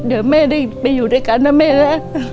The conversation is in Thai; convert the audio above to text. เดี๋ยวแม่ได้ไปอยู่ด้วยกันนะแม่นะ